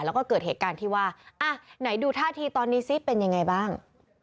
แล้วก็เกิดเหตุการณ์ที่ว่าอ่ะไหนดูท่าทีตอนนี้ซิเป็นยังไงบ้าง